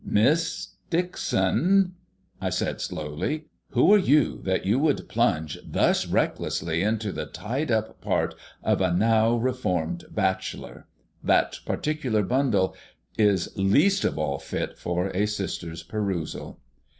"Miss Dixon," I said slowly, "who are you that you would plunge thus recklessly into the tied up part of a now reformed bachelor? That particular bundle is least of all fit for a sister's perusal."